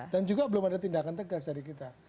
dan juga belum ada tindakan tegas dari kita